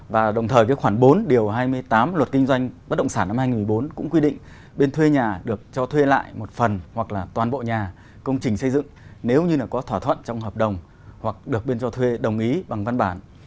và đồng thời với khoảng bốn điều hai mươi tám luật kinh doanh bất động sản năm hai nghìn một mươi bốn cũng quy định bên thuê nhà được cho thuê lại một phần hoặc là toàn bộ nhà công trình xây dựng nếu như có thỏa thuận trong hợp đồng hoặc được bên cho thuê đồng ý bằng văn bản